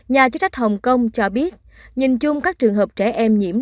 nhà chức trách hồng kông cho biết nhìn chung các trường hợp trẻ em nhiễm